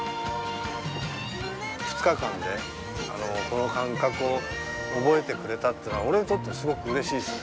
２日間でこの感覚を覚えてくれたっていうのは俺にとってすごくうれしいっすね。